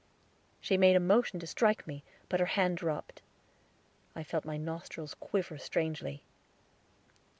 She made a motion to strike me, but her hand dropped; I felt my nostrils quiver strangely.